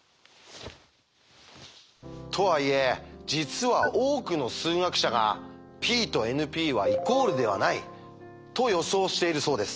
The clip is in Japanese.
とはいえ実は多くの数学者がＰとＮＰはイコールではないと予想しているそうです。